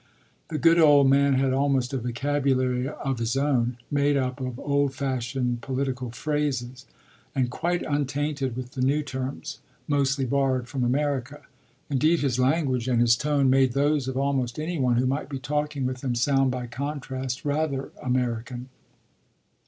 The good old man had almost a vocabulary of his own, made up of old fashioned political phrases and quite untainted with the new terms, mostly borrowed from America; indeed his language and his tone made those of almost any one who might be talking with him sound by contrast rather American.